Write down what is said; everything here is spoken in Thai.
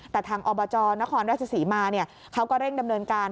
แต่ทางอบจนครแวทศิษย์มาเนี่ยเขาก็เร่งดำเนินการ